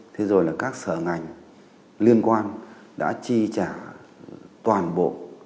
thế rồi là các sở ngành liên quan đã chi trả toàn bộ